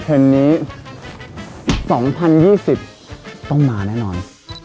เทรนด์นี้๒๐๒๐ต้องมาแน่นอน